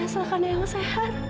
selain eyang sehat